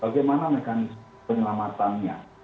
bagaimana mekanisme penyelamatannya